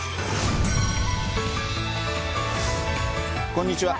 こんにちは。